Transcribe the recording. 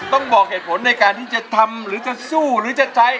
ต้องบอกเหตุผลในการที่จะทำหรือจะสู้หรือจะใช้